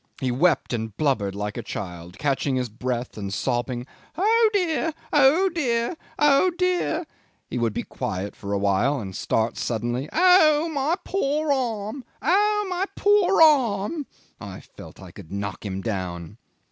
He wept and blubbered like a child, catching his breath and sobbing 'Oh dear! oh dear! oh dear!' He would be quiet for a while and start suddenly, 'Oh, my poor arm! oh, my poor a a a arm!' I felt I could knock him down.